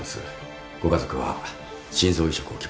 ご家族は心臓移植を希望しています。